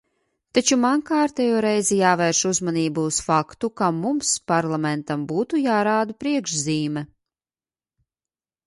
Taču man kārtējo reizi jāvērš uzmanība uz faktu, ka mums, Parlamentam, būtu jārāda priekšzīme.